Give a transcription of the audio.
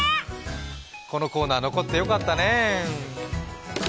このコーナー、残ってよかったね。